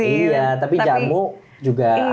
iya tapi jamu juga